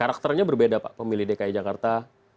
karakternya berbeda pak pemilih dki jakarta